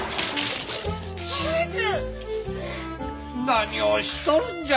何をしとるんじゃ！